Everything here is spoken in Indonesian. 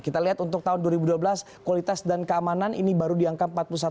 kita lihat untuk tahun dua ribu dua belas kualitas dan keamanan ini baru di angka empat puluh satu